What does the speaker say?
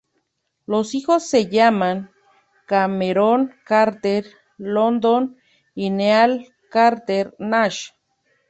Los hijos se llaman Cameron Carter London y Neal Carter Nash.